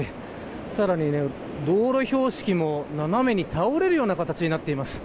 さらに道路標識も斜めに倒れるような形になっています。